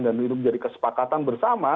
dan menjadi kesepakatan bersama